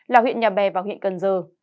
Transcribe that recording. là huyện nhà bè và huyện cần giờ